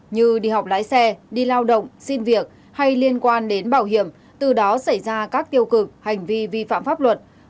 như đi học lái xe đi lao động xin việc hay liên quan đến bảo hiểm từ đó xảy ra các tiêu cực hành vi vi phạm pháp luật